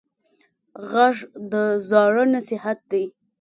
غږ د زاړه نصیحت دی